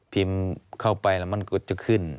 เข้าไปแล้วมันก็จะขึ้น